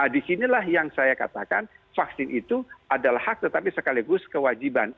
disinilah yang saya katakan vaksin itu adalah hak tetapi sekaligus kewajiban